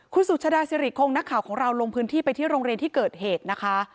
คุณสุชาดาสิริคงนักข่าวของเราลงพื้นที่ไปที่โรงเรียนที่เกิดเหตุนะคะ